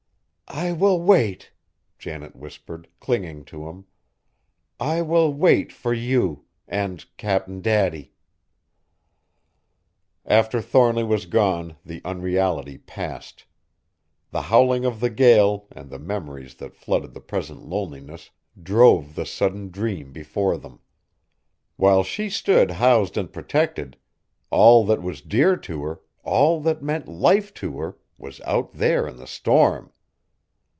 "I will wait," Janet whispered, clinging to him, "I will wait for you and Cap'n Daddy!" After Thornly was gone the unreality passed. The howling of the gale, and the memories that flooded the present loneliness, drove the sudden dream before them. While she stood housed and protected all that was dear to her, all that meant life to her, was out there in the storm!